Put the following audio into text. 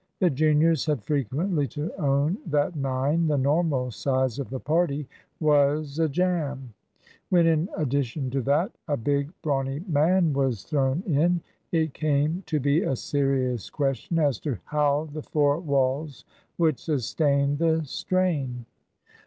The juniors had frequently to own that nine, the normal size of the party, was a jam. When, in addition to that, a big, brawny man was thrown in, it came to be a serious question as to how the four walls would sustain the strain.